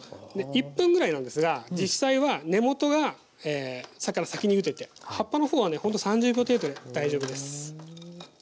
１分ぐらいなんですが実際は根元が先にゆでて葉っぱの方はねほんと３０秒程度で大丈夫です。